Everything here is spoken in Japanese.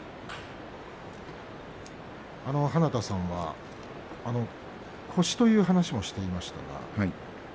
花田さんは腰という話もしていましたが。